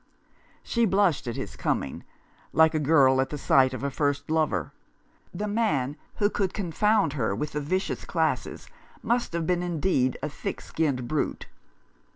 She blushed at his coming, like a girl at the sight of a first lover. The man who could con found her with the vicious classes must have been indeed a thick skinned brute.